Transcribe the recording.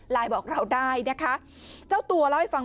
บอกเราได้นะคะเจ้าตัวเล่าให้ฟัง